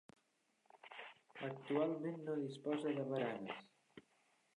Actualment no disposa de baranes.